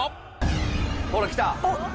ほらきた。